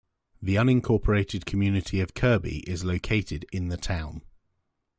The unincorporated community of Kirby is located in the town.